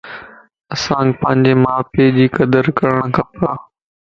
اسان پنجي مان پي جي قدر ڪرڻ کپَ